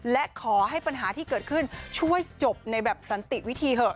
และขอให้ปัญหาที่เกิดขึ้นช่วยจบในแบบสันติวิธีเถอะ